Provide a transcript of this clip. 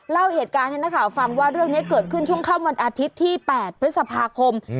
เล่าเหตุการณ์ให้นักข่าวฟังว่าเรื่องนี้เกิดขึ้นช่วงค่ำวันอาทิตย์ที่๘พฤษภาคม